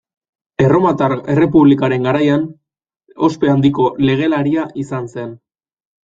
Erromatar Errepublikaren garaian ospe handiko legelaria izan zen.